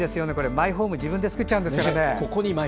マイホーム、自分で作っちゃうんですからね。